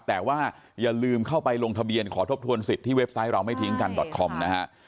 แต่ว่าอย่าลืมเข้าไปลงทะเบียนขอทบทวนสิทธิเว็บไซต์เราไม่ทิ้งกันดอตคอมนะฮะ